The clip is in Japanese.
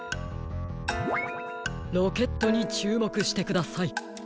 ロケットにちゅうもくしてください。